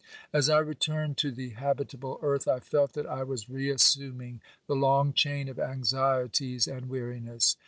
As I returned to the habitable earth, I felt that I was reassuming the long chain of anxieties and weariness.